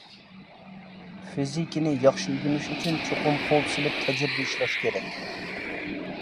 فىزىكىنى ياخشى ئۆگىنىش ئۈچۈن، چوقۇم قول سېلىپ تەجرىبە ئىشلەش كېرەك.